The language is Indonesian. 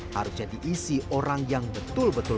harusnya diisi orang yang betul betul